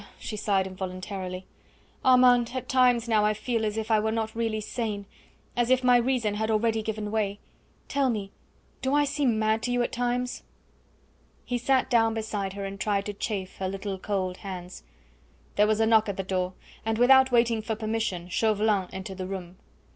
she sighed involuntarily. "Armand, at times now I feel as if I were not really sane as if my reason had already given way! Tell me, do I seem mad to you at times?" He sat down beside her and tried to chafe her little cold hands. There was a knock at the door, and without waiting for permission Chauvelin entered the room.